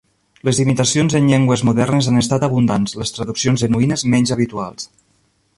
Les imitacions en llengües modernes han estat abundants, les traduccions genuïnes menys habituals.